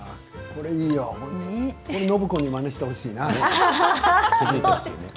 これを暢子にまねしてほしいな。